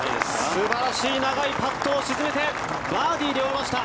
素晴らしい長いパットを沈めてバーディーで終えました。